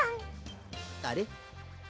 あれ！？